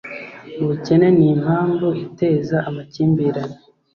ubukene ni impamvu iteza amakimbirane.